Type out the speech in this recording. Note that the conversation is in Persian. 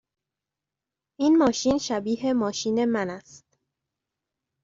این ماشین شبیه ماشین من است.